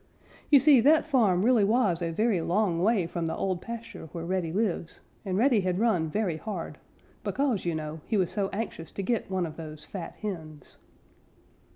You see, that farm really was a very long way from the Old Pasture where Reddy lives and Reddy had run very hard, because, you know, he was so anxious to get one of those fat hens.